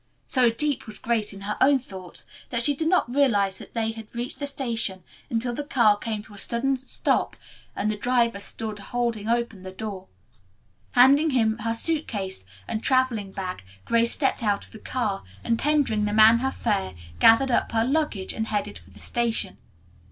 So deep was Grace in her own thoughts that she did not realize that they had reached the station until the car came to a sudden stop and the driver stood holding open the door. Handing him her suit case and traveling bag Grace stepped out of the car, and tendering the man her fare, gathered up her luggage and headed for the station.